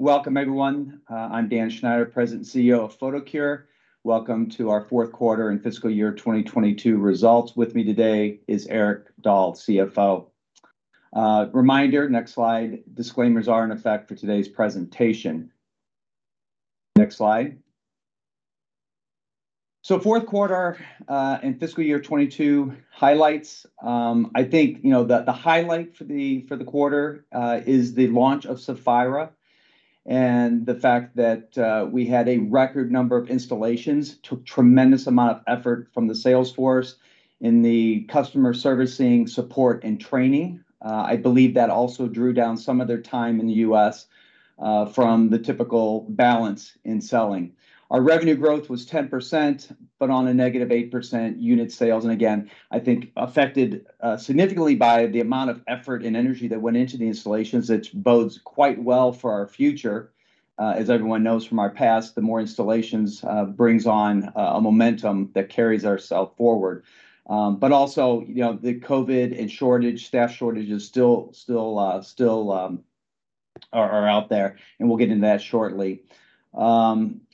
Welcome everyone. I'm Dan Schneider, President and CEO of Photocure. Welcome to our Fourth Quarter and Fiscal Year 2022 Results. With me today is Erik Dahl, CFO. Reminder, next slide, disclaimers are in effect for today's presentation. Next slide. Fourth quarter and fiscal year 2022 highlights, I think, you know, the highlight for the quarter is the launch of Saphira™ and the fact that we had a record number of installations, took tremendous amount of effort from the sales force in the customer servicing, support and training. I believe that also drew down some of their time in the U.S. from the typical balance in selling. Our revenue growth was 10%. On a -8% unit sales, again, I think affected significantly by the amount of effort and energy that went into the installations, which bodes quite well for our future. As everyone knows from our past, the more installations brings on a momentum that carries ourself forward. Also, you know, the COVID and shortage, staff shortages still are out there, and we'll get into that shortly.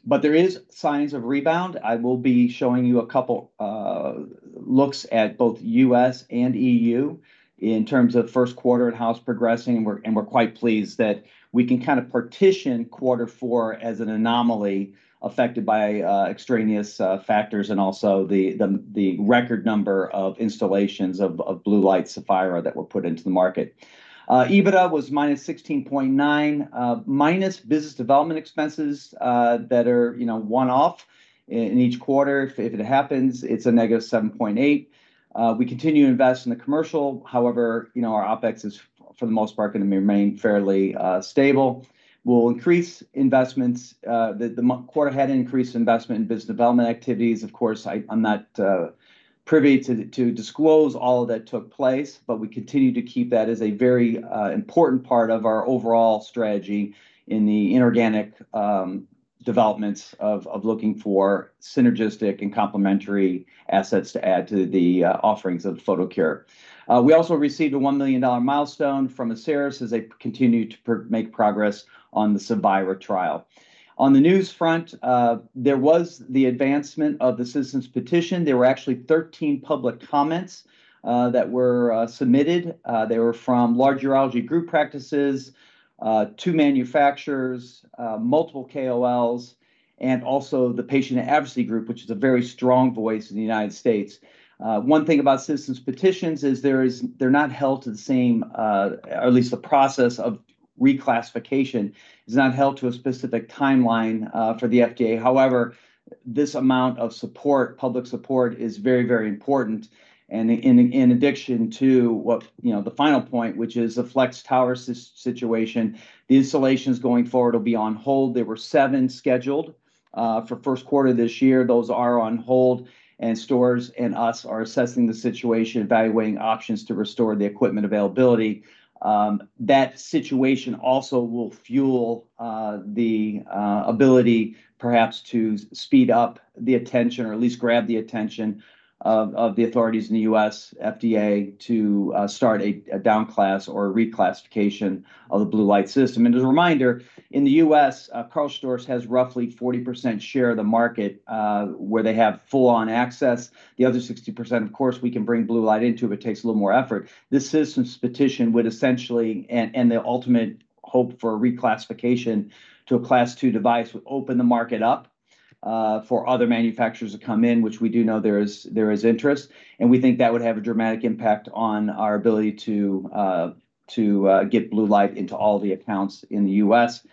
There is signs of rebound. I will be showing you a couple looks at both U.S., and EU in terms of first quarter and how it's progressing, and we're quite pleased that we can kind of partition quarter four as an anomaly affected by extraneous factors and also the record number of installations of Blue Light Saphira™ that were put into the market. EBITDA was -16.9 minus business development expenses that are, you know, one-off in each quarter. If it happens, it's -7.8. We continue to invest in the commercial. However, you know, our OpEx is for the most part gonna remain fairly stable. We'll increase investments. The quarter had increased investment in business development activities. Of course, I'm not privy to disclose all that took place, but we continue to keep that as a very important part of our overall strategy in the inorganic developments of looking for synergistic and complementary assets to add to the offerings of Photocure. We also received a $1 million milestone from Asieris as they continue to make progress on the Saphira™ trial. On the news front, there was the advancement of the citizen petition. There were actually 13 public comments that were submitted. They were from large urology group practices, two manufacturers, multiple KOLs, and also the patient advocacy group, which is a very strong voice in the United States. One thing about citizen petitions is they're not held to the same, or at least the process of reclassification is not held to a specific timeline, for the FDA. This amount of support, public support is very very important, in addition to what, you know, the final point, which is the Flex Tower situation. The installations going forward will be on hold. There were seven scheduled for first quarter this year. Those are on hold, KARL STORZ and us are assessing the situation, evaluating options to restore the equipment availability. That situation also will fuel the ability perhaps to speed up the attention or at least grab the attention of the authorities in the US FDA, to start a down class or a reclassification of the Blue Light system. As a reminder, in the U.S., KARL STORZ has roughly 40% share of the market where they have full on access. The other 60%, of course, we can bring Blue Light into, but it takes a little more effort. This citizen petition would essentially, and the ultimate hope for a reclassification to a Class II device would open the market up for other manufacturers to come in, which we do know there is interest. We think that would have a dramatic impact on our ability to get Blue Light into all the accounts in the U.S.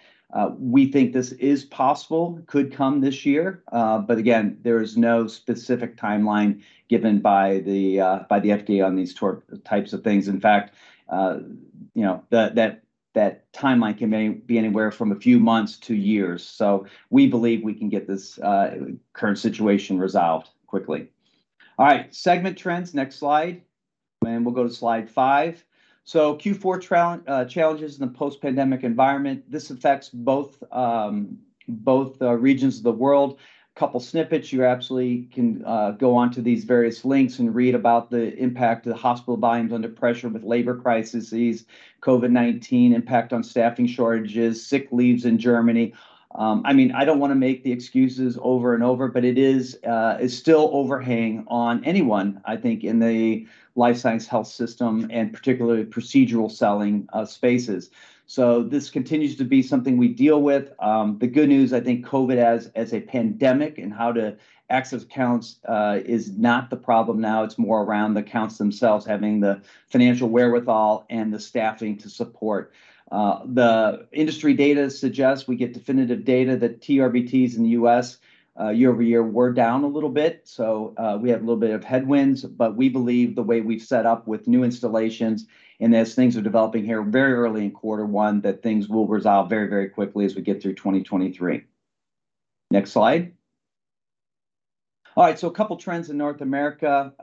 We think this is possible, could come this year. Again, there is no specific timeline given by the FDA on these types of things. In fact, you know, that timeline can be anywhere from a few months to years. We believe we can get this current situation resolved quickly. All right. Segment trends, next slide. We'll go to slide 5. Q4 challenges in the post-pandemic environment. This affects both regions of the world. A couple snippets. You absolutely can go onto these various links and read about the impact of hospital volumes under pressure with labor crises, COVID-19 impact on staffing shortages, sick leaves in Germany. I mean, I don't wanna make the excuses over and over, but it is, it's still overhanging on anyone, I think, in the life science health system, and particularly procedural selling spaces. This continues to be something we deal with. The good news, I think COVID as a pandemic and how to access accounts is not the problem now. It's more around the accounts themselves having the financial wherewithal and the staffing to support. The industry data suggests we get definitive data that TURBTs in the U.S. year-over-year were down a little bit. We have a little bit of headwinds. We believe the way we've set up with new installations and as things are developing here very early in quarter 1, that things will resolve very, very quickly as we get through 2023. Next slide. A couple trends in North America.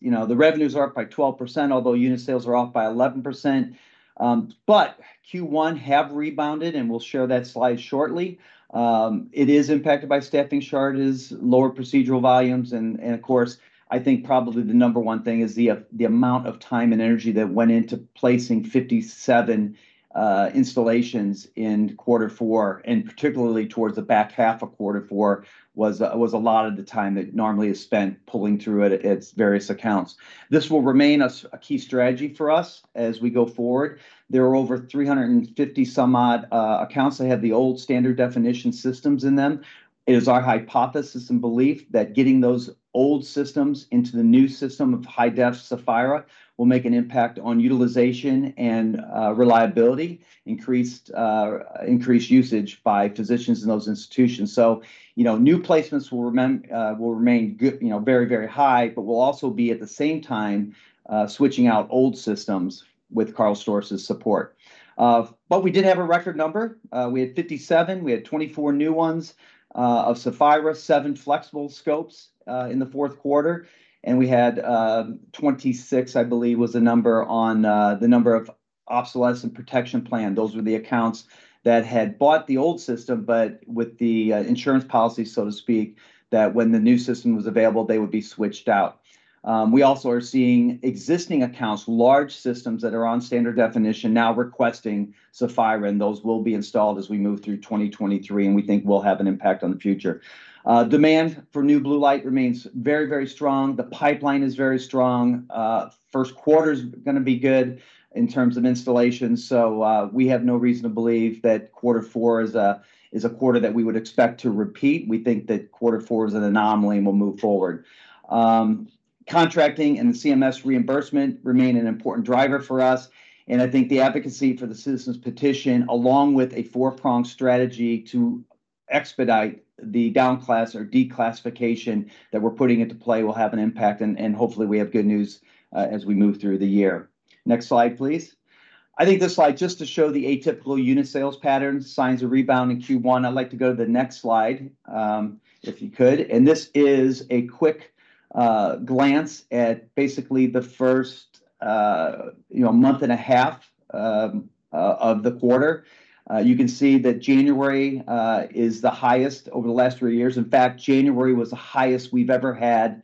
You know, the revenues are up by 12%, although unit sales are off by 11%. Q1 have rebounded, and we'll share that slide shortly. It is impacted by staffing shortages, lower procedural volumes, and of course, I think probably the number 1 thing is the amount of time and energy that went into placing 57 installations in quarter 4, and particularly towards the back half of quarter four was a lot of the time that normally is spent pulling through at its various accounts. This will remain a key strategy for us as we go forward. There are over 350 some odd accounts that have the old standard definition systems in them. It is our hypothesis and belief that getting those old systems into the new system of high-def Saphira™ will make an impact on utilization and reliability, increased usage by physicians in those institutions. You know, new placements will remain you know, very, very high, but will also be at the same time, switching out old systems with KARL STORZ's support. We did have a record number. We had 57. We had 24 new ones, of Saphira™, seven flexible scopes, in the fourth quarter, we had 26, I believe, was the number on the number of obsolescence protection plan. Those were the accounts that had bought the old system, but with the insurance policy, so to speak, that when the new system was available, they would be switched out. We also are seeing existing accounts, large systems that are on standard definition now requesting Saphira™, those will be installed as we move through 2023, we think will have an impact on the future. Demand for new Blue Light remains very, very strong. The pipeline is very strong. First quarter's gonna be good in terms of installations. We have no reason to believe that quarter 4 is a quarter that we would expect to repeat. We think that quarter 4 is an anomaly, and we'll move forward. Contracting and the CMS reimbursement remain an important driver for us, and I think the advocacy for the citizen petition, along with a four-pronged strategy to expedite the down-classification or declassification that we're putting into play will have an impact. Hopefully, we have good news as we move through the year. Next slide, please. I think this slide, just to show the atypical unit sales pattern, signs of rebound in Q1. I'd like to go to the next slide, if you could. This is a quick glance at basically the first, you know, month and a half of the quarter. You can see that January is the highest over the last three years. In fact, January was the highest we've ever had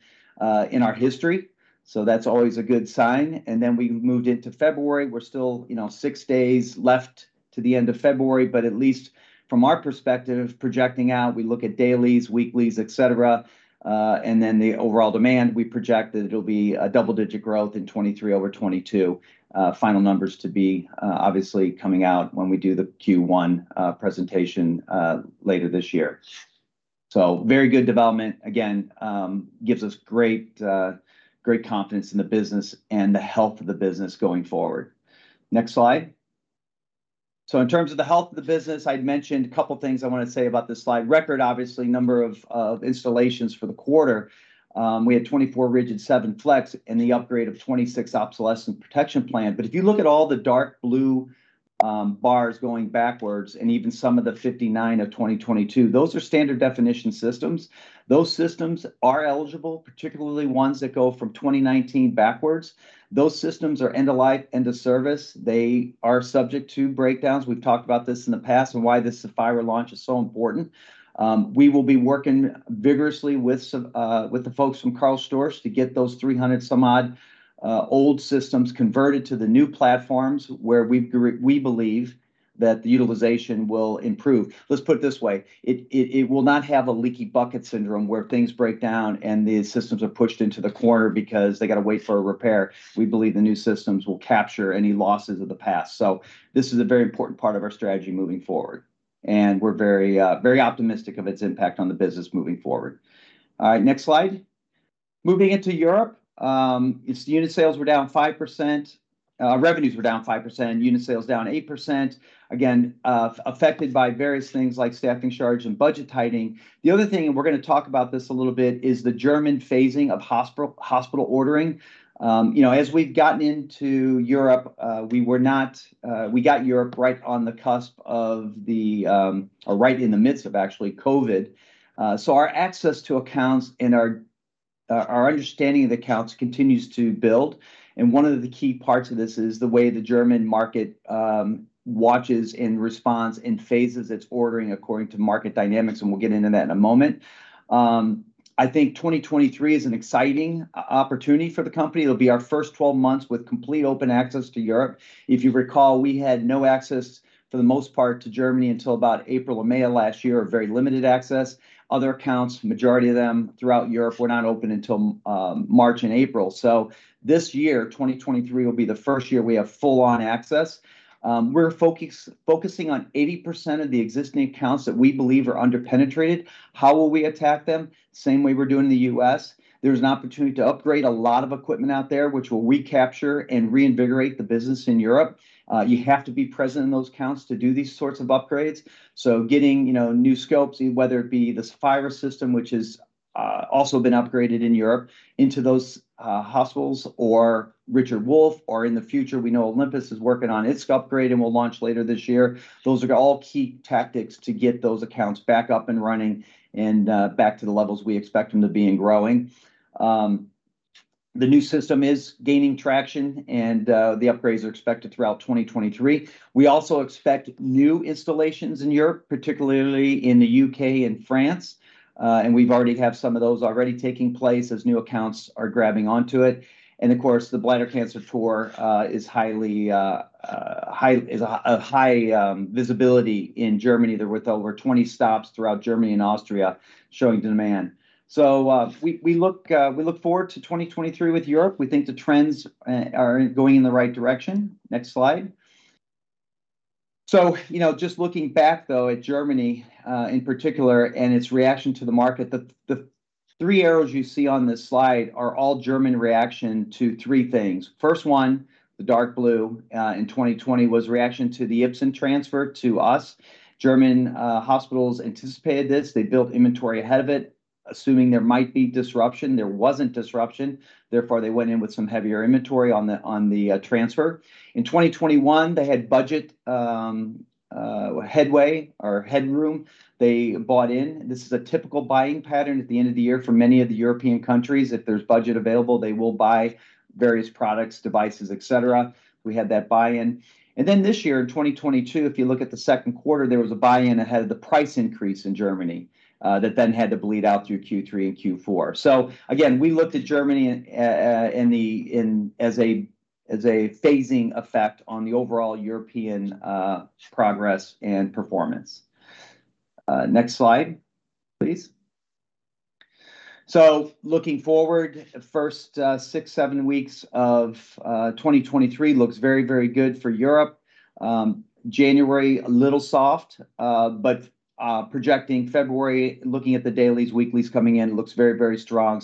in our history, so that's always a good sign. Then we moved into February. We're still, you know, six days left to the end of February, but at least from our perspective, projecting out, we look at dailies, weeklies, et cetera, and then the overall demand, we project that it'll be a double-digit growth in 2023 over 2022. Final numbers to be obviously coming out when we do the Q1 presentation later this year. Very good development. Gives us great confidence in the business and the health of the business going forward. Next slide. In terms of the health of the business, I'd mentioned a couple things I wanna say about this slide. Record, obviously, number of installations for the quarter. We had 24 rigid, seven Flex in the upgrade of 26 obsolescence management plan. If you look at all the dark blue bars going backwards, and even some of the 59 of 2022, those are standard definition systems. Those systems are eligible, particularly ones that go from 2019 backwards. Those systems are end of life, end of service. They are subject to breakdowns. We've talked about this in the past and why this Saphira™ launch is so important. We will be working vigorously with some, with the folks from KARL STORZ to get those 300 some odd old systems converted to the new platforms where we believe that the utilization will improve. Let's put it this way, it will not have a leaky bucket syndrome where things break down and the systems are pushed into the corner because they gotta wait for a repair. We believe the new systems will capture any losses of the past. This is a very important part of our strategy moving forward, and we're very optimistic of its impact on the business moving forward. Next slide. Moving into Europe, its unit sales were down 5%. Revenues were down 5%, and unit sales down 8%. Again, affected by various things like staffing shortage and budget tightening. The other thing, we're gonna talk about this a little bit, is the German phasing of hospital ordering. You know, as we've gotten into Europe, we got Europe right on the cusp of the, or right in the midst of actually COVID. Our access to accounts and our understanding of the accounts continues to build, one of the key parts of this is the way the German market watches and responds and phases its ordering according to market dynamics, we'll get into that in a moment. I think 2023 is an exciting opportunity for the company. It'll be our first 12 months with complete open access to Europe. If you recall, we had no access, for the most part, to Germany until about April or May of last year, or very limited access. Other accounts, majority of them throughout Europe, were not open until March and April. This year, 2023, will be the first year we have full on access. We're focusing on 80% of the existing accounts that we believe are under-penetrated. How will we attack them? Same way we're doing in the U.S. There's an opportunity to upgrade a lot of equipment out there, which will recapture and reinvigorate the business in Europe. You have to be present in those accounts to do these sorts of upgrades. Getting, you know, new scopes, whether it be the Saphira™ system, which has also been upgraded in Europe, into those hospitals, or Richard Wolf, or in the future, we know Olympus is working on its upgrade and will launch later this year. Those are all key tactics to get those accounts back up and running and back to the levels we expect them to be and growing. The new system is gaining traction, and the upgrades are expected throughout 2023. We also expect new installations in Europe, particularly in the U.K., and France. We've already have some of those already taking place as new accounts are grabbing onto it. Of course, the Bladder Cancer Tour is highly is a high visibility in Germany there with over 20 stops throughout Germany and Austria showing demand. We look forward to 2023 with Europe. We think the trends are going in the right direction. Next slide. You know, just looking back though at Germany, in particular and its reaction to the market, the three arrows you see on this slide are all German reaction to three things. First one, the dark blue, in 2020, was reaction to the Ipsen transfer to us. German hospitals anticipated this. They built inventory ahead of it, assuming there might be disruption. There wasn't disruption, therefore, they went in with some heavier inventory on the transfer. In 2021, they had budget headway or headroom they bought in. This is a typical buying pattern at the end of the year for many of the European countries. If there's budget available, they will buy various products, devices, et cetera. We had that buy-in. This year in 2022, if you look at the second quarter, there was a buy-in ahead of the price increase in Germany, that then had to bleed out through Q3 and Q4. Again, we looked at Germany as a phasing effect on the overall European progress and performance. Next slide, please. Looking forward, the first six, seven weeks of 2023 looks very, very good for Europe. January, a little soft. Projecting February, looking at the dailies, weeklies coming in, it looks very, very strong.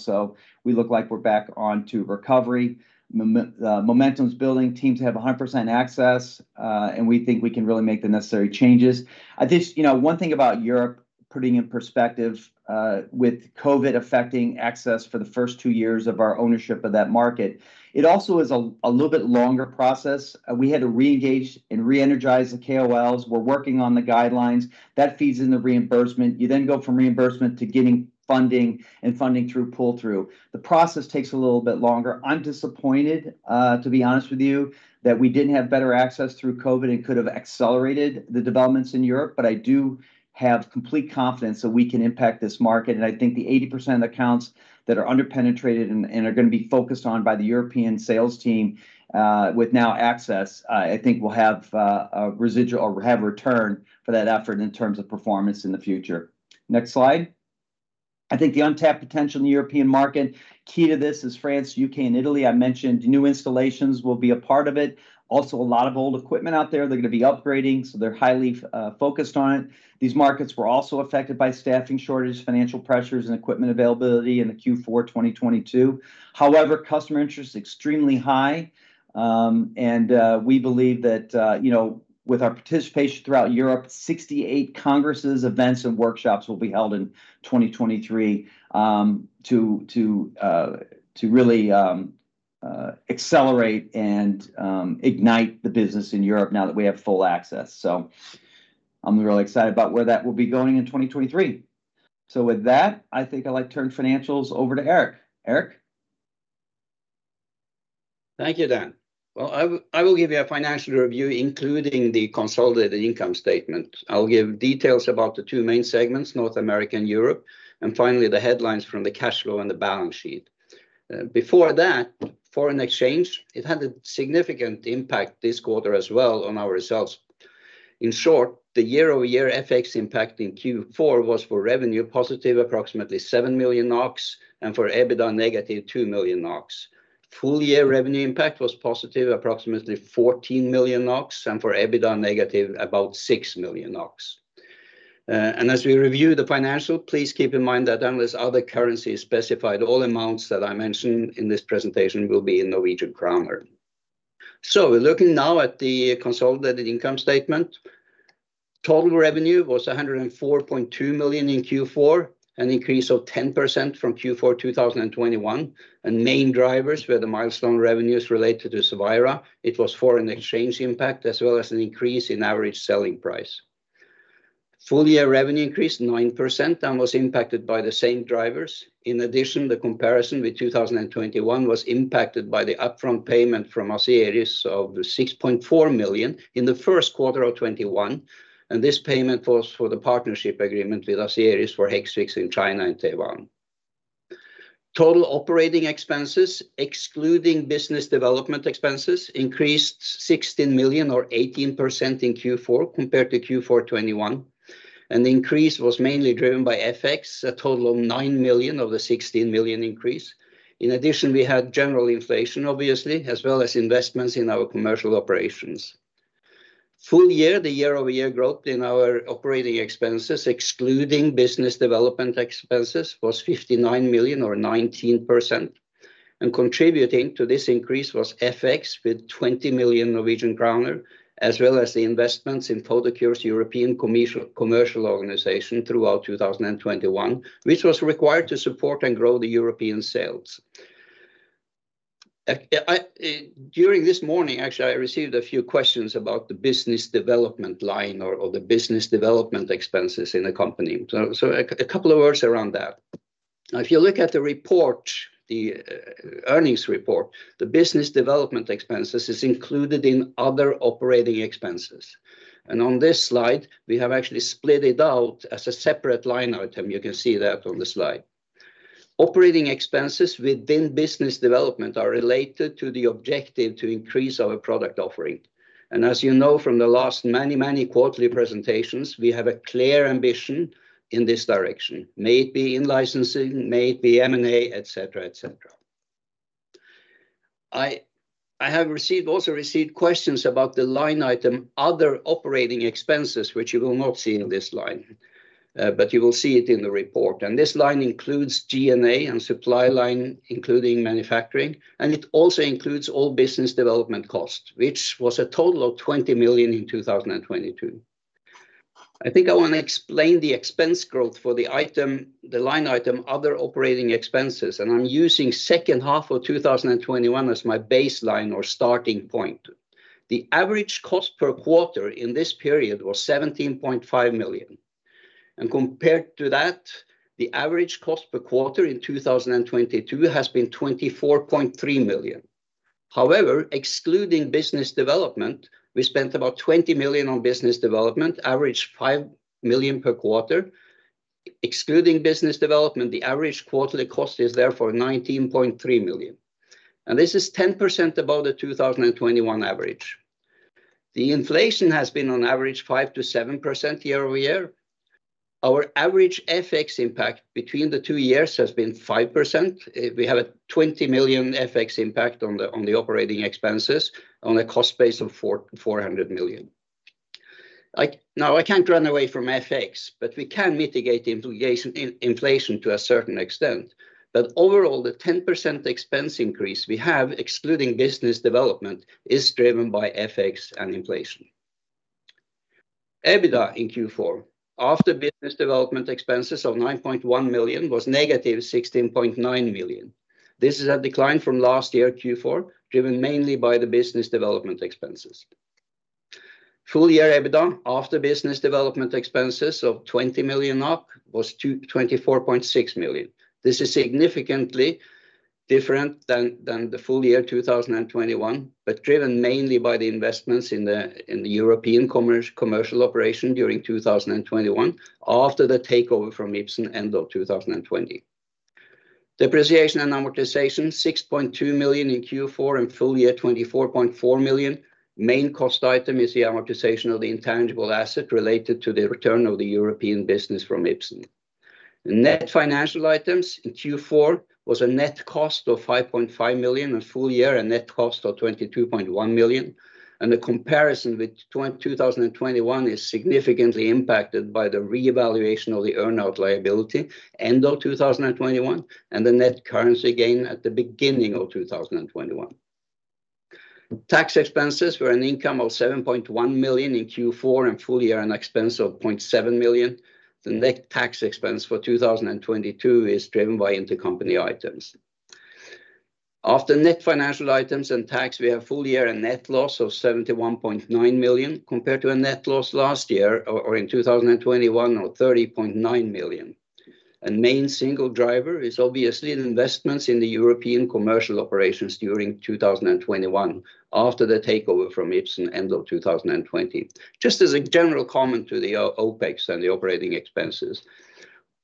We look like we're back onto recovery. Momentum's building. Teams have 100% access, and we think we can really make the necessary changes. I think, you know, one thing about Europe, putting in perspective, with COVID affecting access for the first two years of our ownership of that market, it also is a little bit longer process. We had to reengage and reenergize the KOLs. We're working on the guidelines. That feeds into reimbursement. You then go from reimbursement to getting funding and funding through pull-through. The process takes a little bit longer. I'm disappointed, to be honest with you, that we didn't have better access through COVID and could have accelerated the developments in Europe. I do have complete confidence that we can impact this market. I think the 80% of the accounts that are under-penetrated and are gonna be focused on by the European sales team, with now access, I think will have a residual or have return for that effort in terms of performance in the future. Next slide. I think the untapped potential in the European market, key to this is France, U.K., and Italy. I mentioned new installations will be a part of it. A lot of old equipment out there, they're gonna be upgrading, so they're highly focused on it. These markets were also affected by staffing shortage, financial pressures, and equipment availability in the Q4 2022. Customer interest extremely high. We believe that, you know, with our participation throughout Europe, 68 congresses, events, and workshops will be held in 2023, to really accelerate and ignite the business in Europe now that we have full access. I'm really excited about where that will be going in 2023. With that, I think I'd like to turn financials over to Erik. Erik? Thank you, Dan. Well, I will give you a financial review, including the consolidated income statement. I'll give details about the two main segments, North America and Europe, finally, the headlines from the cash flow and the balance sheet. Before that, foreign exchange, it had a significant impact this quarter as well on our results. In short, the year-over-year FX impact in Q4 was for revenue positive approximately 7 million NOK, for EBITDA -2 million NOK. Full-year revenue impact was positive approximately 14 million NOK, for EBITDA negative about 6 million NOK. As we review the financial, please keep in mind that unless other currency is specified, all amounts that I mention in this presentation will be in Norwegian kroner. We're looking now at the consolidated income statement. Total revenue was 104.2 million in Q4, an increase of 10% from Q4 2021. Main drivers were the milestone revenues related to Cevira. It was foreign exchange impact, as well as an increase in average selling price. Full-year revenue increased 9% and was impacted by the same drivers. In addition, the comparison with 2021 was impacted by the upfront payment from Asieris of 6.4 million in the first quarter of 2021. This payment was for the partnership agreement with Asieris for Hexvix in China and Taiwan. Total operating expenses, excluding business development expenses, increased 16 million or 18% in Q4 compared to Q4 2021. The increase was mainly driven by FX, a total of 9 million of the 16 million increase. In addition, we had general inflation obviously, as well as investments in our commercial operations. Full year, the year-over-year growth in our operating expenses, excluding business development expenses, was 59 million or 19%. Contributing to this increase was FX with 20 million Norwegian kroner, as well as the investments in Photocure's European commercial organization throughout 2021, which was required to support and grow the European sales. I actually received a few questions about the business development line or the business development expenses in the company. A couple of words around that. If you look at the report, the earnings report, the business development expenses is included in other operating expenses. On this slide, we have actually split it out as a separate line item. You can see that on the slide. Operating expenses within business development are related to the objective to increase our product offering. As you know from the last many quarterly presentations, we have a clear ambition in this direction. May it be in licensing, may it be M&A, et cetera, et cetera. I have also received questions about the line item, other operating expenses, which you will not see in this line, but you will see it in the report. This line includes G&A and supply line, including manufacturing, and it also includes all business development costs, which was a total of 20 million in 2022. I think I wanna explain the expense growth for the item, the line item, other operating expenses, and I'm using second half of 2021 as my baseline or starting point. The average cost per quarter in this period was 17.5 million. Compared to that, the average cost per quarter in 2022 has been 24.3 million. However, excluding business development, we spent about 20 million on business development, average 5 million per quarter. Excluding business development, the average quarterly cost is therefore 19.3 million. This is 10% above the 2021 average. The inflation has been on average 5%-7% year-over-year. Our average FX impact between the two years has been 5%. We have a 20 million FX impact on the operating expenses on a cost base of 400 million. Now, I can't run away from FX, but we can mitigate inflation to a certain extent. Overall, the 10% expense increase we have, excluding business development, is driven by FX and inflation. EBITDA in Q4. After business development expenses of 9.1 million was -16.9 million. This is a decline from last year Q4, driven mainly by the business development expenses. Full year EBITDA, after business development expenses of 20 million up was 24.6 million. This is significantly different than the full year 2021, driven mainly by the investments in the European commercial operation during 2021 after the takeover from Ipsen end of 2020. Depreciation and amortization, 6.2 million in Q4 and full year, 24.4 million. Main cost item is the amortization of the intangible asset related to the return of the European business from Ipsen. Net financial items in Q4 was a net cost of 5.5 million, and full year a net cost of 22.1 million. The comparison with 2021 is significantly impacted by the reevaluation of the earn-out liability end of 2021 and the net currency gain at the beginning of 2021. Tax expenses were an income of 7.1 million in Q4 and full year an expense of 0.7 million. The net tax expense for 2022 is driven by intercompany items. After net financial items and tax, we have full year a net loss of 71.9 million compared to a net loss last year or in 2021 of 30.9 million. Main single driver is obviously the investments in the European commercial operations during 2021 after the takeover from Ipsen end of 2020. Just as a general comment to the OPEX and the operating expenses,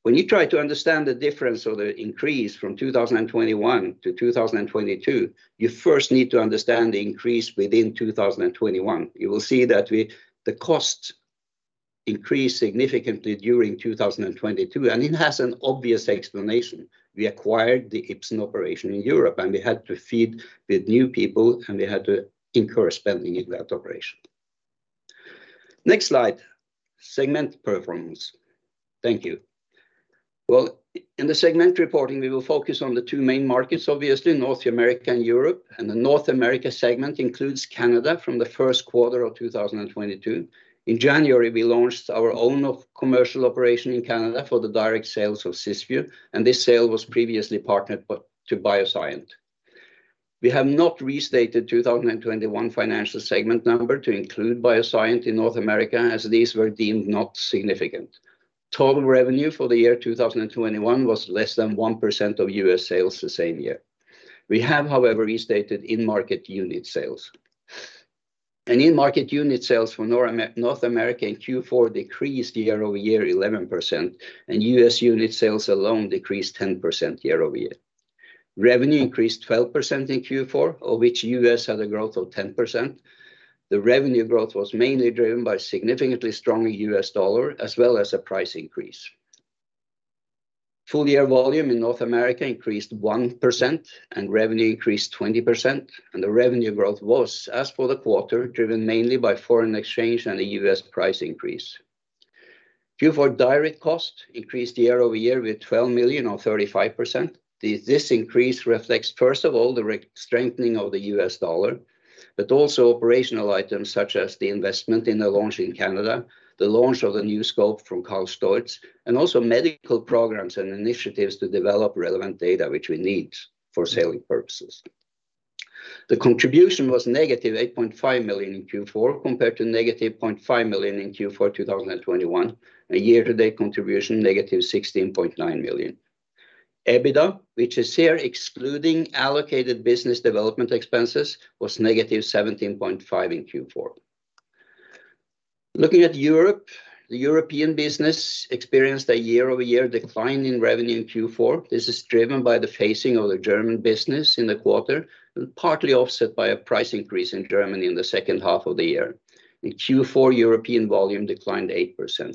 when you try to understand the difference or the increase from 2021 to 2022, you first need to understand the increase within 2021. You will see that the costs increased significantly during 2022, and it has an obvious explanation. We acquired the Ipsen operation in Europe, and we had to feed the new people, and we had to incur spending in that operation. Next slide, segment performance. Thank you. Well, in the segment reporting, we will focus on the two main markets, obviously North America and Europe. The North America segment includes Canada from the first quarter of 2022. In January, we launched our own commercial operation in Canada for the direct sales of Cysview, and this sale was previously partnered but to BioSyent. We have not restated 2021 financial segment number to include BioSyent in North America, as these were deemed not significant. Total revenue for the year 2021 was less than 1% of U.S. sales the same year. We have, however, restated in-market unit sales. In-market unit sales for North America in Q4 decreased year-over-year 11%, and U.S. unit sales alone decreased 10% year-over-year. Revenue increased 12% in Q4, of which U.S. had a growth of 10%. The revenue growth was mainly driven by significantly stronger U.S. dollar, as well as a price increase. Full year volume in North America increased 1% and revenue increased 20%. The revenue growth was, as for the quarter, driven mainly by foreign exchange and the U.S. price increase. Q4 direct cost increased year-over-year with $12 million or 35%. This increase reflects, first of all, the strengthening of the U.S. dollar, but also operational items such as the investment in the launch in Canada, the launch of the new scope from KARL STORZ, and also medical programs and initiatives to develop relevant data which we need for selling purposes. The contribution was $-8.5 million in Q4 compared to $-0.5 million in Q4 2021. A year-to-date contribution $-16.9 million. EBITDA, which is here excluding allocated business development expenses, was $-17.5 million in Q4. Looking at Europe, the European business experienced a year-over-year decline in revenue in Q4. This is driven by the phasing of the German business in the quarter and partly offset by a price increase in Germany in the second half of the year. In Q4, European volume declined 8%.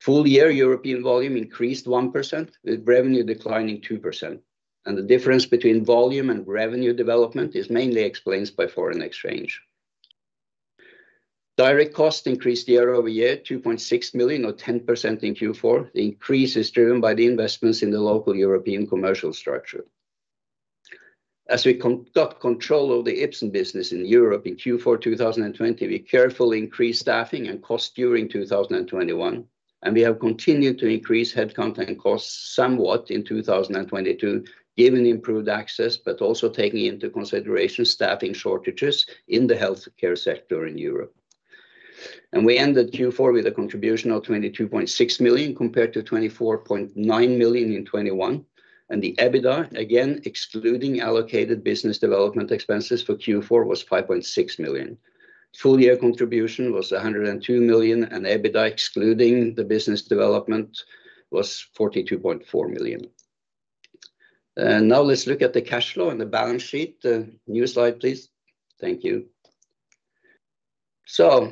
Full year European volume increased 1%, with revenue declining 2%. The difference between volume and revenue development is mainly explained by foreign exchange. Direct costs increased year-over-year 2.6 million or 10% in Q4. The increase is driven by the investments in the local European commercial structure. As we got control of the Ipsen business in Europe in Q4 2020, we carefully increased staffing and cost during 2021, and we have continued to increase headcount and costs somewhat in 2022, given improved access, but also taking into consideration staffing shortages in the healthcare sector in Europe. We ended Q4 with a contribution of 22.6 million compared to 24.9 million in 2021. The EBITDA, again excluding allocated business development expenses for Q4, was 5.6 million. Full year contribution was 102 million, and EBITDA excluding the business development was 42.4 million. Now let's look at the cash flow and the balance sheet. New slide, please. Thank you.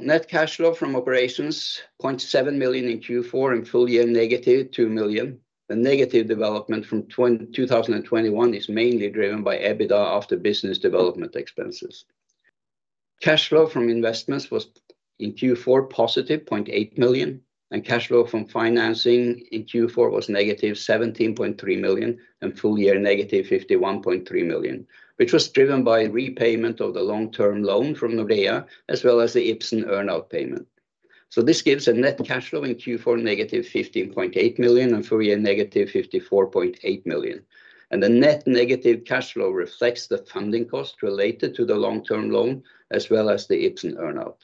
Net cash flow from operations, 0.7 million in Q4 and full year -2 million. The negative development from 2021 is mainly driven by EBITDA after business development expenses. Cash flow from investments was in Q4 +0.8 million, and cash flow from financing in Q4 was -17.3 million, and full year -51.3 million, which was driven by repayment of the long-term loan from Nordea, as well as the Ipsen earn out payment. This gives a net cash flow in Q4 -15.8 million and full year -54.8 million. The net negative cash flow reflects the funding cost related to the long-term loan as well as the Ipsen earn out.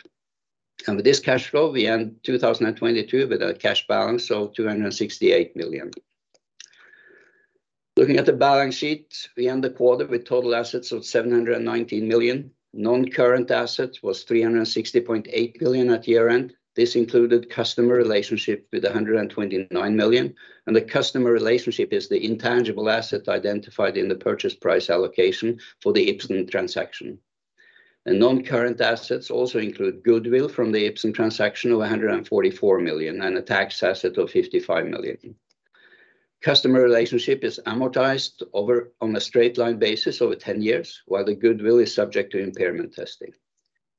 With this cash flow, we end 2022 with a cash balance of 268 million. Looking at the balance sheet, we end the quarter with total assets of 719 million. Non-current assets was 360.8 million at year-end. This included customer relationship with 129 million. The customer relationship is the intangible asset identified in the purchase price allocation for the Ipsen transaction. The non-current assets also include goodwill from the Ipsen transaction of 144 million and a tax asset of 55 million. Customer relationship is amortized over on a straight-line basis over 10 years, while the goodwill is subject to impairment testing.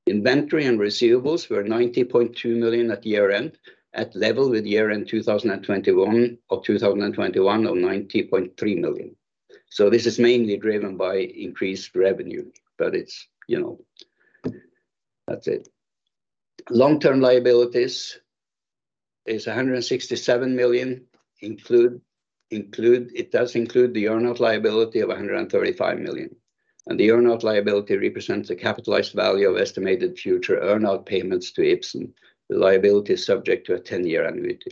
Inventory and receivables were 90.2 million at year-end, at level with year-end 2021, of 2021 of 90.3 million. This is mainly driven by increased revenue, but it's, you know. That's it. Long-term liabilities is 167 million. It does include the earn out liability of 135 million, and the earn out liability represents the capitalized value of estimated future earn out payments to Ipsen. The liability is subject to a 10-year annuity.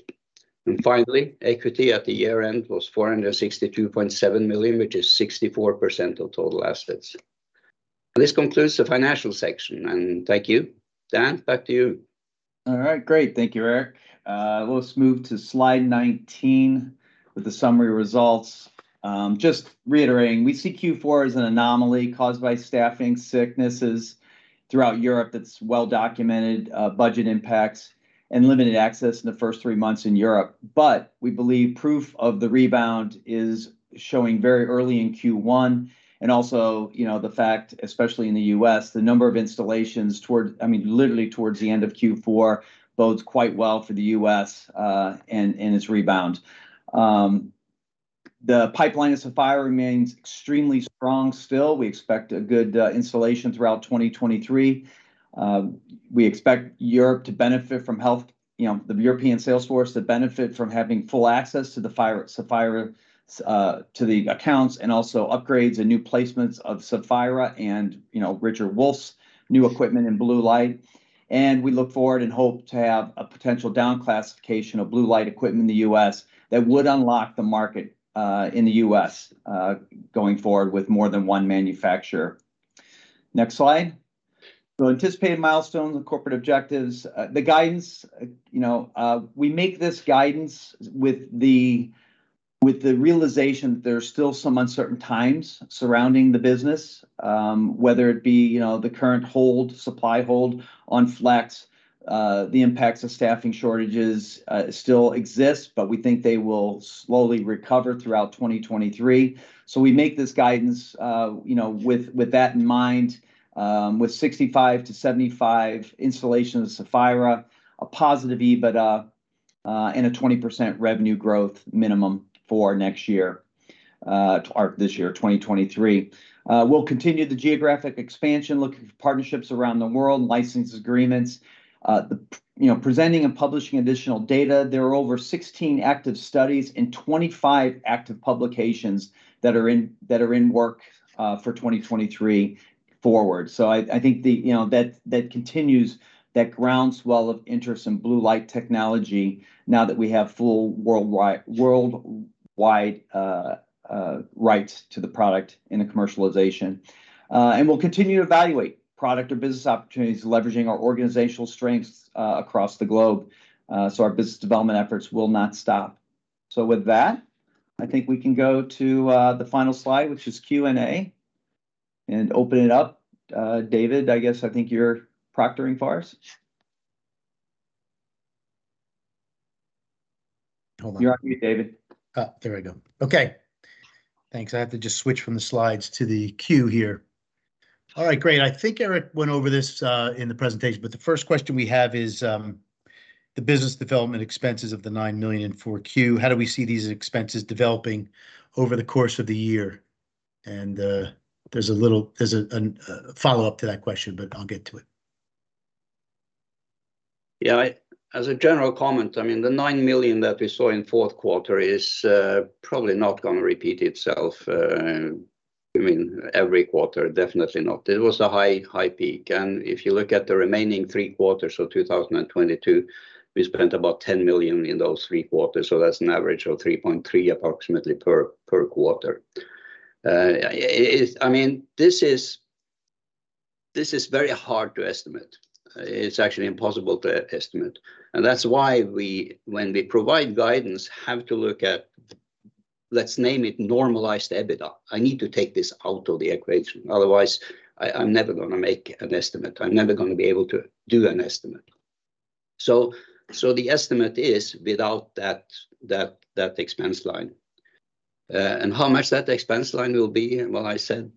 Finally, equity at the year-end was 462.7 million, which is 64% of total assets. This concludes the financial section. Thank you. Dan, back to you. All right, great. Thank you, Erik. Let's move to slide 19 with the summary results. Just reiterating, we see Q4 as an anomaly caused by staffing sicknesses throughout Europe that's well documented, budget impacts and limited access in the first three months in Europe. We believe proof of the rebound is showing very early in Q1 and also, you know, the fact, especially in the U.S., the number of installations literally towards the end of Q4 bodes quite well for the U.S., and its rebound. The pipeline of Saphira™ remains extremely strong still. We expect a good installation throughout 2023. We expect Europe to benefit from you know, the European sales force to benefit from having full access to the Saphira™, to the accounts and also upgrades and new placements of Saphira™ and, you know, Richard Wolf's new equipment and Blue Light. We look forward and hope to have a potential down-classification of Blue Light equipment in the U.S. that would unlock the market in the U.S. going forward with more than one manufacturer. Next slide. Anticipated milestones and corporate objectives. The guidance, you know, we make this guidance with the, with the realization that there's still some uncertain times surrounding the business, whether it be, you know, the current hold, supply hold on Flex, the impacts of staffing shortages still exist, but we think they will slowly recover throughout 2023. We make this guidance, you know, with that in mind, with 65-75 installations of Saphira™, a positive EBITDA, and a 20% revenue growth minimum for next year. Or this year, 2023. We'll continue the geographic expansion, look for partnerships around the world, license agreements. You know, presenting and publishing additional data. There are over 16 active studies and 25 active publications that are in work for 2023 forward. I think, you know, that continues that ground swell of interest in Blue Light technology now that we have full worldwide rights to the product in a commercialization. And we'll continue to evaluate product or business opportunities, leveraging our organizational strengths across the globe. Our business development efforts will not stop. With that, I think we can go to the final slide, which is Q&A, and open it up. David, I guess I think you're proctoring for us. Hold on. You're on mute, David. Oh, there we go. Okay. Thanks. I have to just switch from the slides to the queue here. All right, great. I think Erik went over this in the presentation, but the first question we have is, the business development expenses of the 9 million in 4Q, how do we see these expenses developing over the course of the year? There's a little, there's a, an follow-up to that question, but I'll get to it. As a general comment, I mean, the 9 million that we saw in fourth quarter is probably not gonna repeat itself. I mean, every quarter, definitely not. It was a high, high peak, and if you look at the remaining three quarters of 2022, we spent about 10 million in those three quarters, so that's an average of 3.3 million approximately per quarter. I mean, this is very hard to estimate. It's actually impossible to estimate, and that's why we, when we provide guidance, have to look at, let's name it normalized EBITDA. I need to take this out of the equation, otherwise I'm never gonna make an estimate. I'm never gonna be able to do an estimate. The estimate is without that expense line. How much that expense line will be, well, I said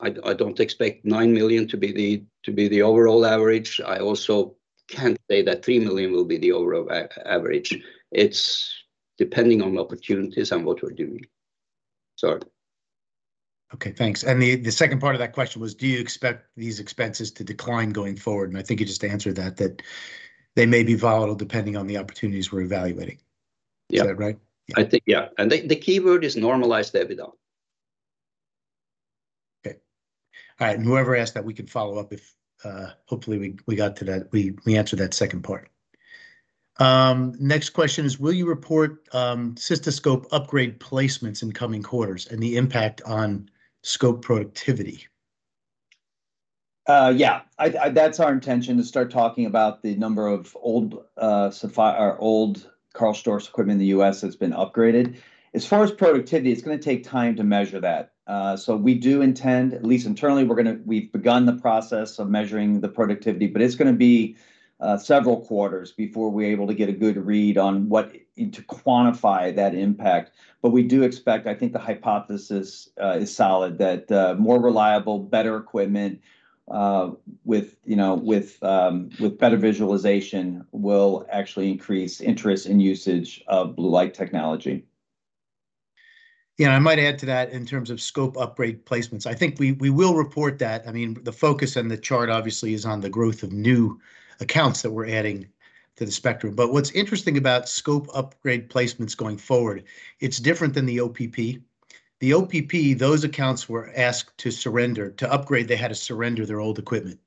I don't expect 9 million to be the overall average. I also can't say that 3 million will be the average. It's depending on the opportunities and what we're doing. Sorry. Okay, thanks. The second part of that question was do you expect these expenses to decline going forward. I think you just answered that they may be volatile depending on the opportunities we're evaluating. Yeah. Is that right? Yeah. I think, yeah, the keyword is normalized EBITDA. Okay. All right, whoever asked that, we can follow up if... Hopefully we got to that, we answered that second part. Next question is will you report cystoscope upgrade placements in coming quarters and the impact on scope productivity? Yeah. I... That's our intention, to start talking about the number of old or old KARL STORZ equipment in the U.S. that's been upgraded. As far as productivity, it's gonna take time to measure that. We do intend, at least internally we've begun the process of measuring the productivity. It's gonna be several quarters before we're able to get a good read on what, and to quantify that impact. We do expect, I think the hypothesis is solid, that more reliable, better equipment, with, you know, with better visualization will actually increase interest and usage of Blue Light technology. I might add to that in terms of scope upgrade placements, I think we will report that. I mean, the focus on the chart obviously is on the growth of new accounts that we're adding to the spectrum. What's interesting about scope upgrade placements going forward, it's different than the OPP. The OPP, those accounts were asked to surrender. To upgrade, they had to surrender their old equipment.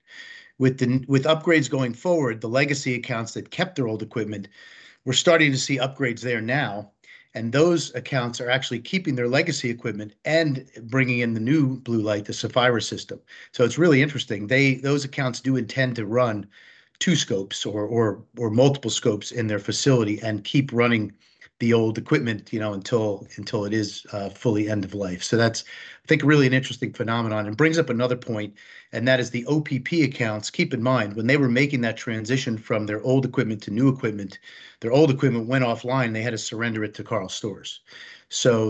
With upgrades going forward, the legacy accounts that kept their old equipment, we're starting to see upgrades there now, and those accounts are actually keeping their legacy equipment and bringing in the new Blue Light, the Saphira™ system. It's really interesting. They, those accounts do intend to run two scopes or multiple scopes in their facility and keep running the old equipment, you know, until it is fully end of life. That's, I think, a really an interesting phenomenon. It brings up another point. The OPP accounts, keep in mind, when they were making that transition from their old equipment to new equipment, their old equipment went offline. They had to surrender it to KARL STORZ.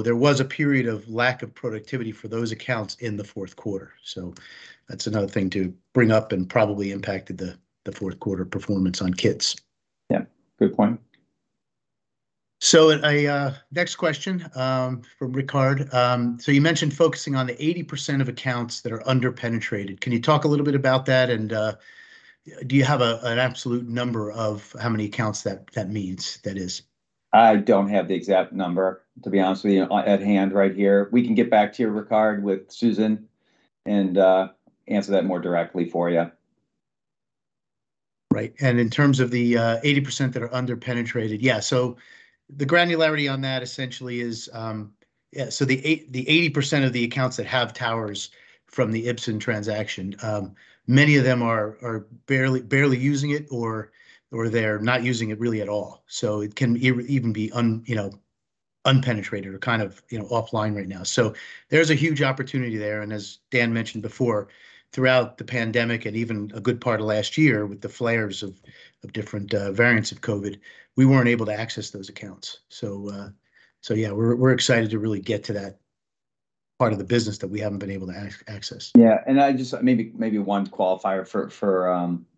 There was a period of lack of productivity for those accounts in the fourth quarter. That's another thing to bring up and probably impacted the fourth quarter performance on kits. Yeah. Good point. A next question from Rikard. You mentioned focusing on the 80% of accounts that are under-penetrated. Can you talk a little bit about that, and do you have an absolute number of how many accounts that that means, that is? I don't have the exact number, to be honest with you, at hand right here. We can get back to you, Rikard, with Susanne and answer that more directly for you. Right. In terms of the 80% that are under-penetrated, yeah, the granularity on that essentially is, yeah. The 80% of the accounts that have towers from the Ipsen transaction, many of them are barely using it or they're not using it really at all, so it can even be un- you know, un-penetrated or kind of, you know, offline right now. There's a huge opportunity there, and as Dan mentioned before, throughout the pandemic and even a good part of last year with the flares of different variants of COVID, we weren't able to access those accounts. Yeah, we're excited to really get to that part of the business that we haven't been able to access. I just, maybe, one qualifier for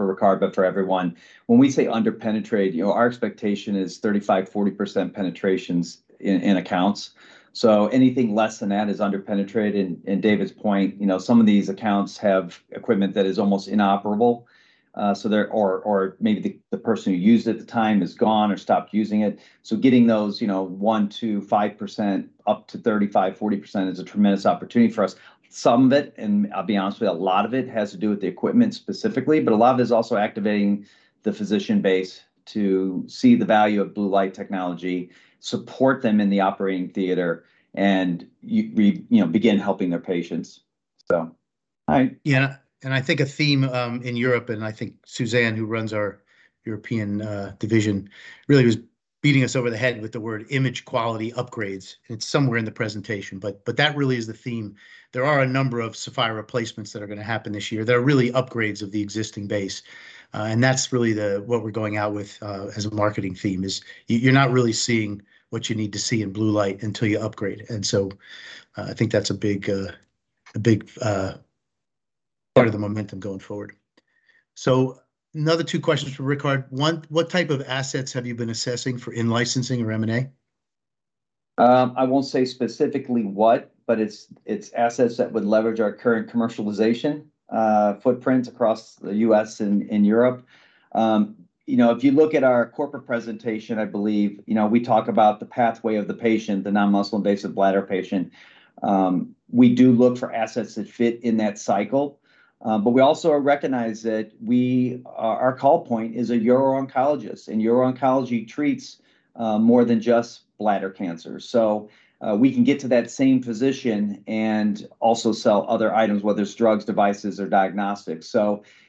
Rikard, but for everyone. When we say under-penetrated, you know, our expectation is 35%-40% penetrations in accounts. Anything less than that is under-penetrated, and David's point, you know, some of these accounts have equipment that is almost inoperable. Or maybe the person who used it at the time is gone or stopped using it. Getting those, you know, 1%-5% up to 35%-40% is a tremendous opportunity for us. Some of it, and I'll be honest with you, a lot of it has to do with the equipment specifically, but a lot of it is also activating the physician base to see the value of Blue Light technology, support them in the operating theater, and we, you know, begin helping their patients. All right. I think a theme in Europe, and I think Susanne, who runs our European division, really was beating us over the head with the word image quality upgrades. It's somewhere in the presentation, but that really is the theme. There are a number of Saphira™ replacements that are gonna happen this year that are really upgrades of the existing base. That's really the, what we're going out with, as a marketing theme is you're not really seeing what you need to see in Blue Light until you upgrade. I think that's a big part of the momentum going forward. Another two questions for Rikard. One, what type of assets have you been assessing for in-licensing or M&A? I won't say specifically what, but it's assets that would leverage our current commercialization footprints across the U.S. and Europe. You know, if you look at our corporate presentation, I believe, you know, we talk about the pathway of the patient, the non-muscle invasive bladder patient. We do look for assets that fit in that cycle. We also recognize that our call point is a uro-oncologist, and Uro-oncology treats more than just bladder cancer. We can get to that same physician and also sell other items, whether it's drugs, devices, or diagnostics.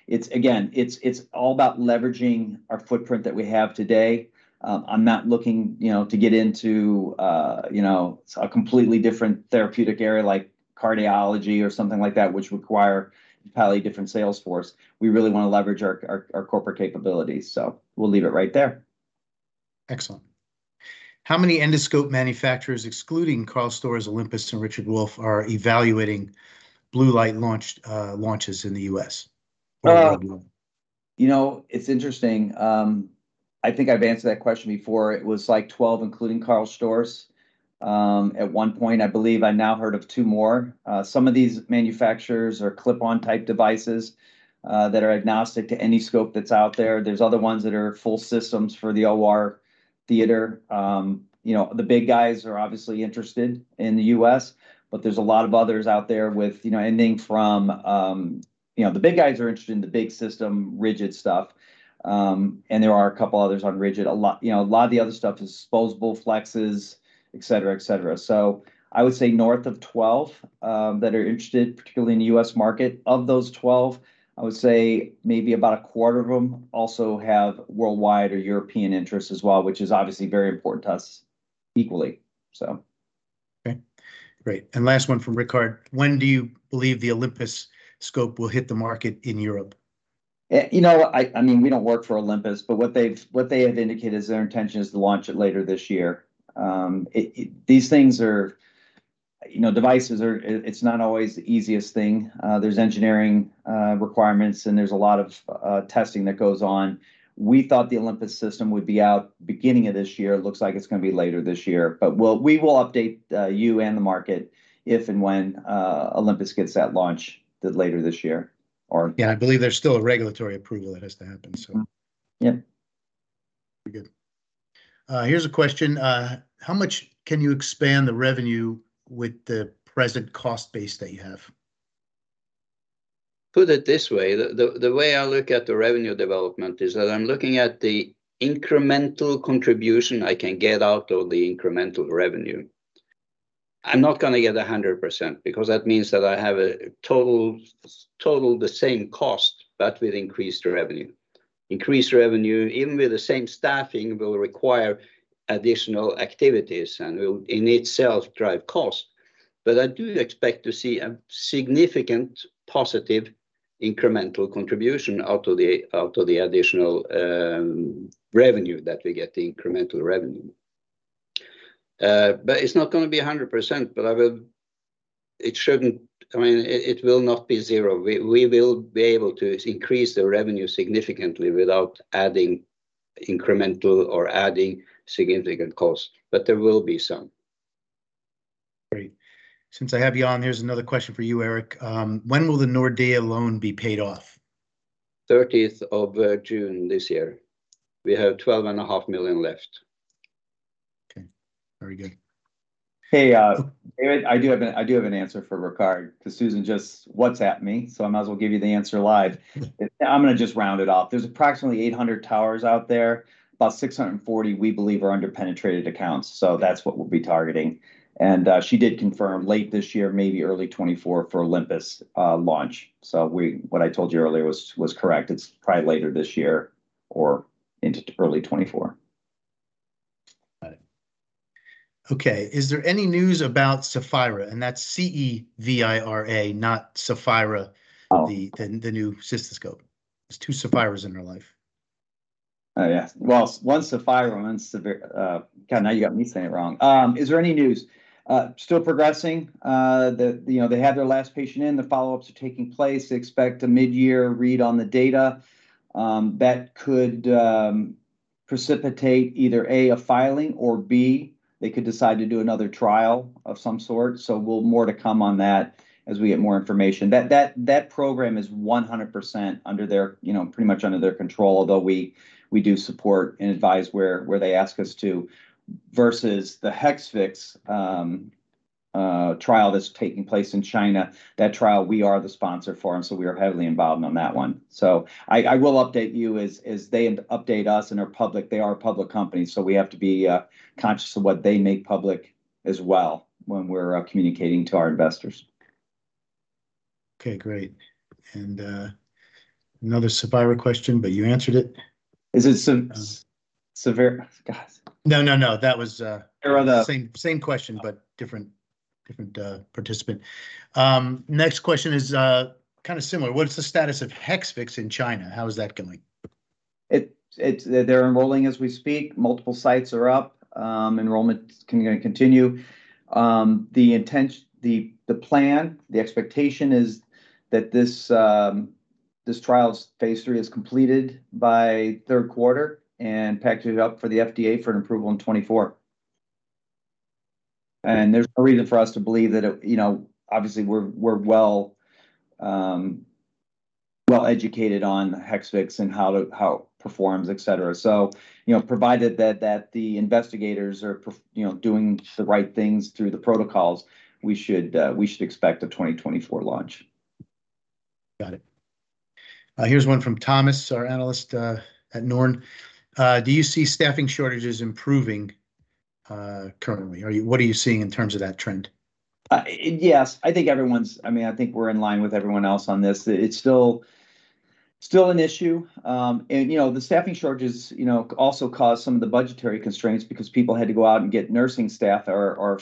It's again, it's all about leveraging our footprint that we have today. I'm not looking, you know, to get into, you know, a completely different therapeutic area like cardiology or something like that, which require probably a different sales force. We really wanna leverage our corporate capabilities, so we'll leave it right there. Excellent. How many endoscope manufacturers, excluding KARL STORZ, Olympus, and Richard Wolf, are evaluating Blue Light launch, launches in the U.S.? You know, it's interesting. I think I've answered that question before. It was like 12, including KARL STORZ, at one point, I believe. I now heard of two more. Some of these manufacturers are clip-on type devices that are agnostic to any scope that's out there. There's other ones that are full systems for the OR theater. You know, the big guys are obviously interested in the U.S., but there's a lot of others out there with, you know, anything from, you know, the big guys are interested in the big system, rigid stuff. There are a couple others on rigid. A lot of the other stuff is disposable flexes, et cetera, et cetera. I would say north of 12 that are interested, particularly in the U.S. market. Of those 12, I would say maybe about a quarter of them also have worldwide or European interests as well, which is obviously very important to us equally, so. Okay. Great. Last one from Rikard. When do you believe the Olympus scope will hit the market in Europe? You know, I mean, we don't work for Olympus, but what they have indicated is their intention is to launch it later this year. These things are, you know, devices are, it's not always the easiest thing. There's engineering requirements, and there's a lot of testing that goes on. We thought the Olympus system would be out beginning of this year. It looks like it's gonna be later this year. We will update you and the market if and when Olympus gets that launch later this year, or. Yeah, I believe there's still a regulatory approval that has to happen. Mm-hmm. Yeah. Very good. Here's a question. How much can you expand the revenue with the present cost base that you have? Put it this way, the way I look at the revenue development is that I'm looking at the incremental contribution I can get out of the incremental revenue. I'm not gonna get 100% because that means that I have a total the same cost, but with increased revenue. Increased revenue, even with the same staffing, will require additional activities and will, in itself, drive cost. I do expect to see a significant positive incremental contribution out of the additional revenue that we get, the incremental revenue. It's not gonna be 100%, but I mean, it will not be zero. We will be able to increase the revenue significantly without adding incremental or adding significant cost, but there will be some. Great. Since I have you on, here's another question for you, Erik. When will the Nordea loan be paid off? 30th of June this year. We have 12.5 million left. Okay. Very good. David, I do have an answer for Rikard, 'cause Susanne just WhatsApp'd me, I might as well give you the answer live. I'm gonna just round it off. There's approximately 800 towers out there. About 640, we believe, are under-penetrated accounts, that's what we'll be targeting. She did confirm late this year, maybe early 2024, for Olympus launch. What I told you earlier was correct. It's probably later this year or into early 2024. Got it. Okay. Is there any news about Cevira? That's C-E-V-I-R-A, not Saphira™- Oh... the new cystoscope. There's two Ceviras in her life. Oh, yeah. Well, once the fire, God, now you got me saying it wrong. Is there any news? Still progressing. You know, they had their last patient in, the follow-ups are taking place. They expect a mid-year read on the data that could precipitate either, A, a filing, or B, they could decide to do another trial of some sort. We'll more to come on that as we get more information. That program is 100% under their, you know, pretty much under their control, although we do support and advise where they ask us to. Versus the Hexvix trial that's taking place in China, that trial we are the sponsor for, we are heavily involved on that one. I will update you as they update us in our public... They are a public company, so we have to be conscious of what they make public as well when we're communicating to our investors. Okay, great. Another Cevira question, but you answered it. Is it Severe? Guys. No, no, that was. Or the- Same question. Different participant. Next question is kind of similar, "What's the status of Hexvix in China? How is that going? It's, they're enrolling as we speak. Multiple sites are up. Enrollment gonna continue. The intention, the plan, the expectation is that this trial's phase III is completed by third quarter, and packaged up for the FDA for an approval in 2024. There's no reason for us to believe that it, you know, obviously we're well, well-educated on Hexvix and how to, how it performs, et cetera. You know, provided that the investigators are, you know, doing the right things through the protocols, we should expect a 2024 launch. Got it. Here's one from Thomas, our analyst, at Norne. Do you see staffing shortages improving, currently? What are you seeing in terms of that trend? Yes. I think everyone's, I mean, I think we're in line with everyone else on this, that it's still an issue. You know, the staffing shortages, you know, also caused some of the budgetary constraints because people had to go out and get nursing staff or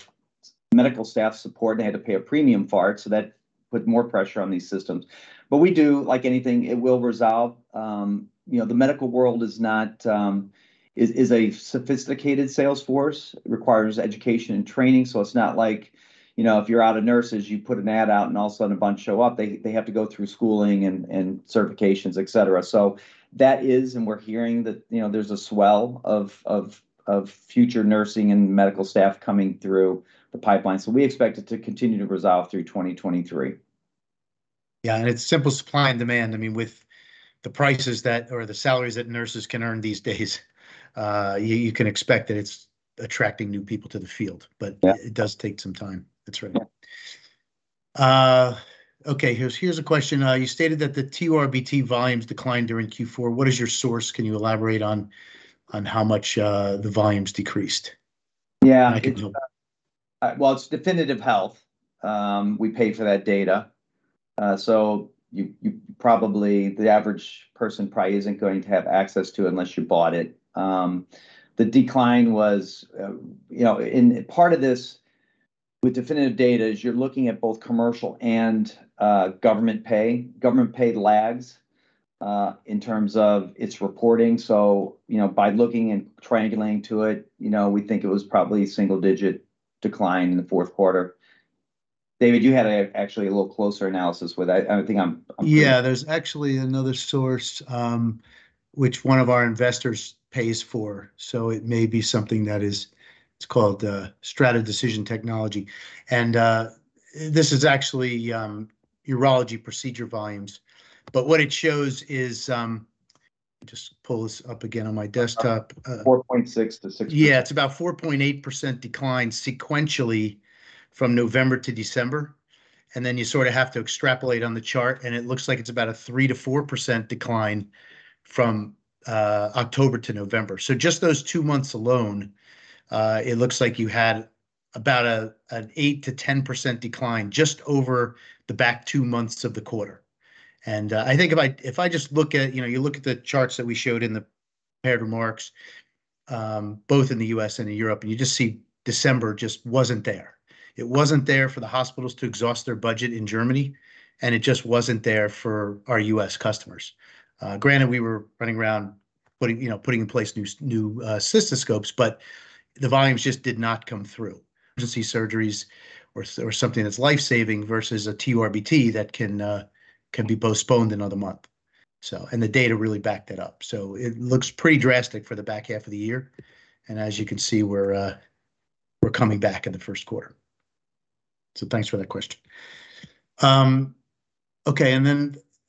medical staff support, and they had to pay a premium for it, so that put more pressure on these systems. We do, like anything, it will resolve. You know, the medical world is not, is a sophisticated sales force. It requires education and training, so it's not like, you know, if you're out of nurses, you put an ad out and all of a sudden a bunch show up. They, they have to go through schooling and certifications, et cetera. That is, we're hearing that, you know, there's a swell of future nursing and medical staff coming through the pipeline. We expect it to continue to resolve through 2023. Yeah, it's simple supply and demand. I mean, with the prices that, or the salaries that nurses can earn these days, you can expect that it's attracting new people to the field. Yeah. It does take some time. That's right. Yeah. Okay, here's a question. "You stated that the TURBT volumes declined during Q4. What is your source? Can you elaborate on how much the volumes decreased? Yeah. I can jump- Well, it's Definitive Healthcare. We pay for that data. You probably, the average person probably isn't going to have access to it unless you bought it. The decline was, you know, part of this with Definitive Healthcare data is you're looking at both commercial and government pay. Government pay lags in terms of its reporting, so, you know, by looking and triangulating to it, you know, we think it was probably a single-digit decline in the fourth quarter. David, you had actually a little closer analysis with that. There's actually another source, which one of our investors pays for, so it may be something that is, it's called, Strata Decision Technology. This is actually urology procedure volumes. What it shows is, let me just pull this up again on my desktop. About 4.6. Yeah, it's about 4.8% decline sequentially from November to December, you sort of have to extrapolate on the chart, and it looks like it's about a 3%-4% decline from October to November. Just those two months alone, it looks like you had about an 8%-10% decline just over the back two months of the quarter. I think if I, if I just look at, you know, you look at the charts that we showed in the prepared remarks, both in the U.S., and in Europe, and you just see December just wasn't there. It wasn't there for the hospitals to exhaust their budget in Germany, and it just wasn't there for our U.S. customers. Granted, we were running around putting, you know, putting in place new cystoscopes, the volumes just did not come through. Emergency surgeries or something that's life-saving versus a TURBT that can be postponed another month. The data really backed that up. It looks pretty drastic for the back half of the year, and as you can see, we're coming back in the first quarter. Thanks for that question.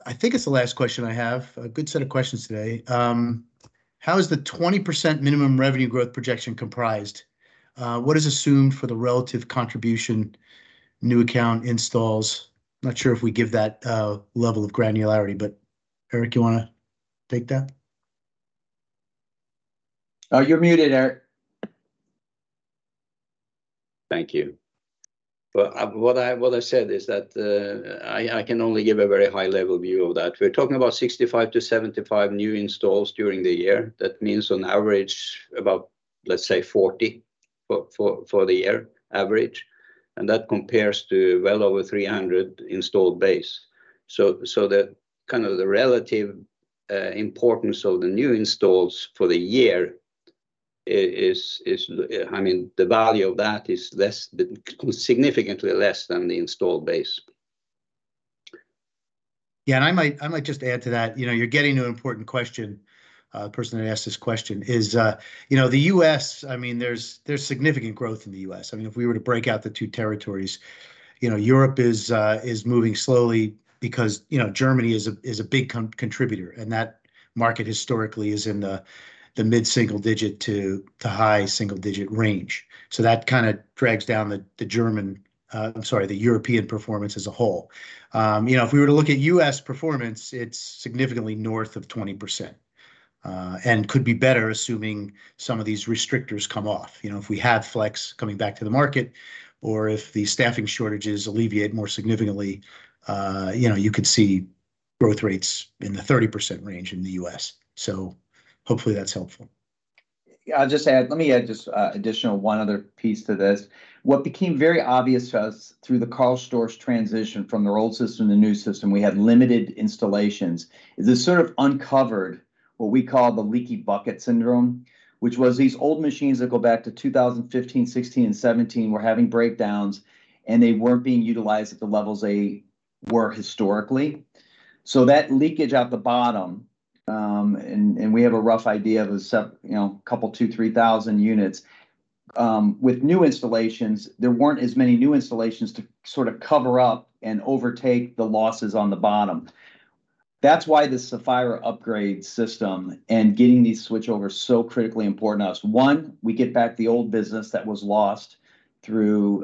I think it's the last question I have. A good set of questions today. "How is the 20% minimum revenue growth projection comprised? What is assumed for the relative contribution new account installs?" Not sure if we give that level of granularity, Erik, you wanna take that? Oh, you're muted, Erik. Thank you. What I said is that I can only give a very high-level view of that. We're talking about 65-75 new installs during the year. That means on average about, let's say, 40 for the year average, and that compares to well over 300 installed base. The kind of the relative importance of the new installs for the year is, I mean, the value of that is less, significantly less than the installed base. Yeah, I might just add to that. You know, you're getting to an important question, person that asked this question, is, you know, the U.S., I mean, there's significant growth in the U.S. I mean, if we were to break out the two territories, you know, Europe is moving slowly because, you know, Germany is a big contributor, that market historically is in the mid-single digit to the high single digit range. That kinda drags down the German, I'm sorry, the European performance as a whole. You know, if we were to look at U.S. performance, it's significantly north of 20%, and could be better assuming some of these restrictors come off. You know, if we had Flex coming back to the market, or if the staffing shortages alleviate more significantly, you know, you could see growth rates in the 30% range in the U.S. Hopefully that's helpful. I'll just add, let me add just additional one other piece to this. What became very obvious to us through the KARL STORZ transition from their old system to new system, we had limited installations, is this sort of uncovered what we call the leaky bucket syndrome, which was these old machines that go back to 2015, 2016, and 2017 were having breakdowns, and they weren't being utilized at the levels they were historically. That leakage at the bottom, and we have a rough idea of the you know, couple two, 3,000 units. With new installations, there weren't as many new installations to sort of cover up and overtake the losses on the bottom. That's why the Saphira™ upgrade system and getting these switchovers so critically important to us. One, we get back the old business that was lost through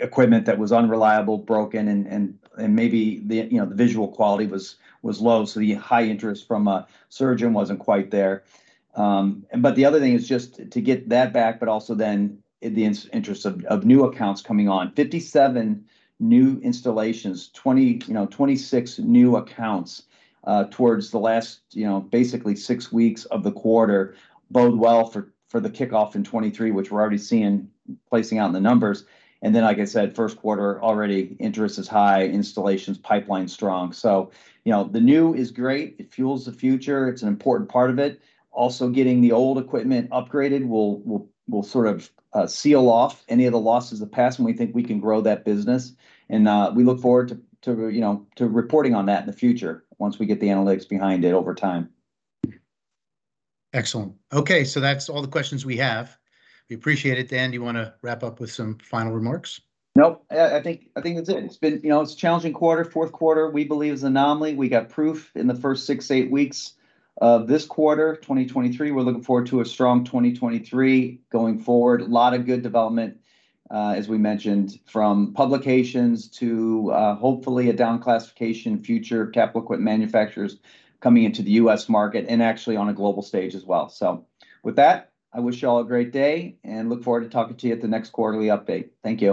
equipment that was unreliable, broken, and maybe the, you know, the visual quality was low, so the high interest from a surgeon wasn't quite there. The other thing is just to get that back, but also then in the interest of new accounts coming on. 57 new installations, 26 new accounts, towards the last, you know, basically six weeks of the quarter bode well for the kickoff in 2023, which we're already seeing placing out in the numbers. Like I said, first quarter already interest is high, installations pipeline strong. You know, the new is great, it fuels the future, it's an important part of it. Getting the old equipment upgraded will sort of seal off any of the losses of the past, and we think we can grow that business. We look forward to, you know, to reporting on that in the future once we get the analytics behind it over time. Excellent. Okay, that's all the questions we have. We appreciate it. Dan, do you wanna wrap up with some final remarks? Nope. I think that's it. It's been, you know, it's a challenging quarter. Fourth quarter, we believe is anomaly. We got proof in the first six, eight weeks of this quarter, 2023. We're looking forward to a strong 2023 going forward. A lot of good development, as we mentioned, from publications to hopefully a down-classification future capital equipment manufacturers coming into the U.S. market and actually on a global stage as well. With that, I wish you all a great day, and look forward to talking to you at the next quarterly update. Thank you